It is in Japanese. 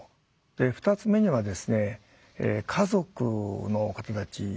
２つ目にはですね家族の方たちですね。